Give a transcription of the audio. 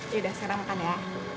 yaudah sekarang makan ya